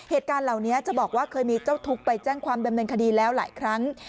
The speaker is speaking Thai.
เหตุการณ์เหล่านี้จะบอกว่าเคยมีเจ้าทุกข์ไปแจ้งความดำเนินคดีแล้วหลายครั้ง